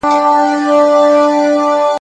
بلکه خپل وړوکی ځان یې سمندر سو ..